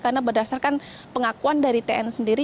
karena berdasarkan pengakuan dari tn sendiri